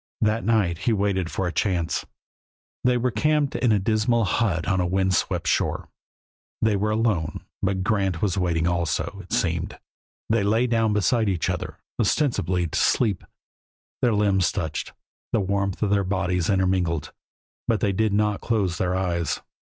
That night he waited for a chance. They were camped in a dismal hut on a wind swept shore; they were alone. But Grant was waiting also, it seemed. They lay down beside each other, ostensibly to sleep; their limbs touched; the warmth from their bodies intermingled, but they did not close their eyes.